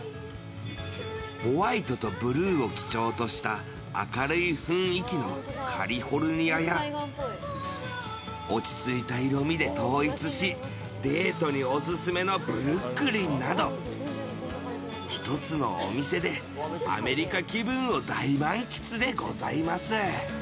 ホワイトとブルーを基調とした明るい雰囲気のカリフォルニアや落ち着いた色味で統一しデートにオススメのブルックリンなど１つのお店でアメリカ気分を大満喫でございます。